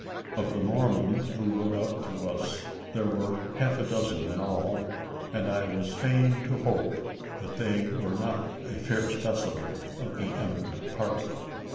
Of the Mormons who rode up to us there were half a dozen in all; and I was fain to hope that they were not a fair specimen of the emigrant party.